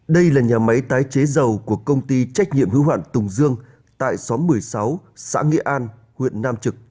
đây là nhà máy tái chế dầu của công ty trách nhiệm hưu hạn tùng dương tại xóm một mươi sáu xã nghĩa an huyện nam trực